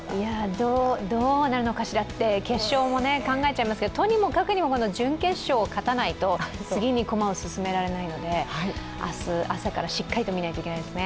どうなのかしらって決勝も考えちゃいますがとにもかくにも、準決勝を勝たないと次に駒を進められないので明日朝からしっかりと見ないといけないですね。